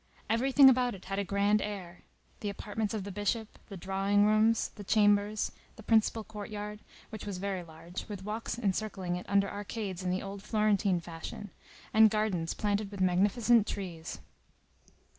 Everything about it had a grand air,—the apartments of the Bishop, the drawing rooms, the chambers, the principal courtyard, which was very large, with walks encircling it under arcades in the old Florentine fashion, and gardens planted with magnificent trees.